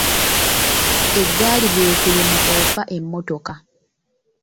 Eggaali bw'ekulemwa ofa emmotoka.